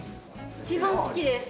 一番好きです。